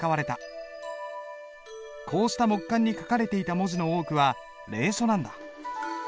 こうした木簡に書かれていた文字の多くは隷書なんだ。